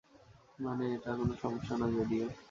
মানে, এটা কোনও সমস্যা না যদিও!